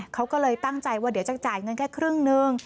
เขาก็เลยตั้งใจว่าเดี๋ยวจะจ่ายเงินแค่ครึ่งนึง